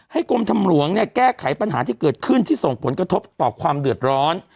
กรมทางหลวงเนี่ยแก้ไขปัญหาที่เกิดขึ้นที่ส่งผลกระทบต่อความเดือดร้อน